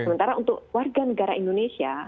sementara untuk warga negara indonesia